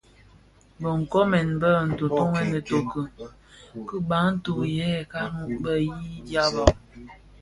Bë nkoomèn bë tōtōghèn itoki ki bantu yè nkun, bë yii dyaba,